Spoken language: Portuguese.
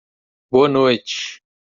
Boa noite!